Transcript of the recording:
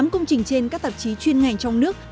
tám công trình trên các tạp chí chuyên ngành trong nước